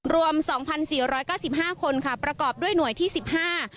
รวมสองพันสี่ร้อยเก้าสิบห้าคนค่ะประกอบด้วยหน่วยที่สิบห้า